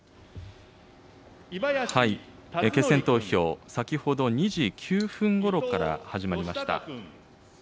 決選投票、先ほど２時９分ごろから始まりました。